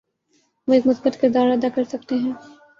وہ ایک مثبت کردار ادا کرسکتے ہیں۔